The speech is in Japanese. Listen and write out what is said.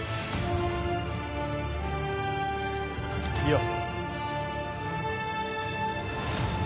よっ！